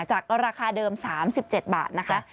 ราคาเดิม๓๗บาทนะคะ